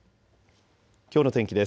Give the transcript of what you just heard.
きょうの天気です。